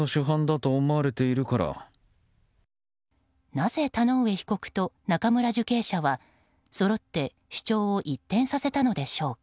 なぜ田上被告と中村受刑者はそろって主張を一転させたのでしょうか。